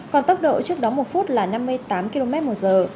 còn tốc độ trước đó một phút là năm mươi tám km một giờ